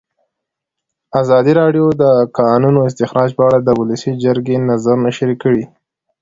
ازادي راډیو د د کانونو استخراج په اړه د ولسي جرګې نظرونه شریک کړي.